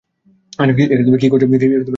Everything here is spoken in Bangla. কী করছ এখানে?